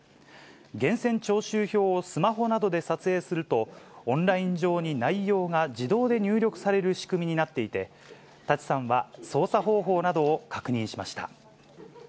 源泉徴収票をスマホなどで撮影すると、オンライン上に内容が自動で入力される仕組みになっていて、舘さんは操作方法などを確認しました。